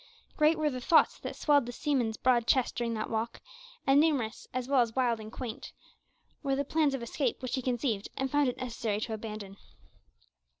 Great were the thoughts that swelled the seaman's broad chest during that walk, and numerous, as well as wild and quaint, were the plans of escape which he conceived and found it necessary to abandon.